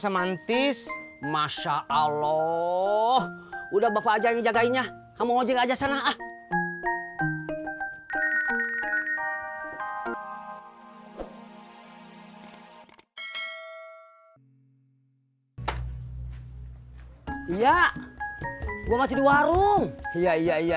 mantis masya allah udah bapak aja yang jagainnya kamu aja sana ah iya gua masih warung iya iya iya